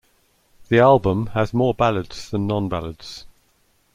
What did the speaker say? The album has more ballads than non-ballads.